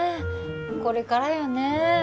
これからよね